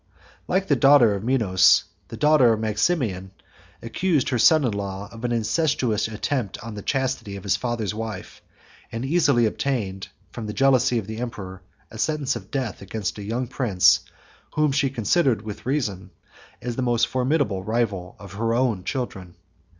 22 Like the daughter of Minos, the daughter of Maximian accused her son in law of an incestuous attempt on the chastity of his father's wife; and easily obtained, from the jealousy of the emperor, a sentence of death against a young prince, whom she considered with reason as the most formidable rival of her own children.